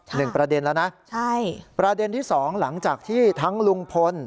หนึ่งประเด็นแล้วนะใช่ประเด็นที่สองหลังจากที่ทั้งลุงพล